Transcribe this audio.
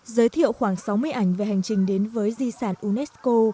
giới thiệu khoảng sáu mươi ảnh về hành trình đến với di sản unesco